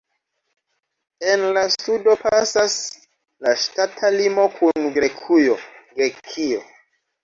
En la sudo pasas la ŝtata limo kun Grekujo (Grekio).